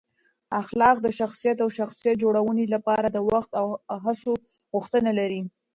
اخلاق د شخصیت او شخصیت جوړونې لپاره د وخت او هڅو غوښتنه لري.